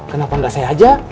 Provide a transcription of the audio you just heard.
kenapa enggak saya aja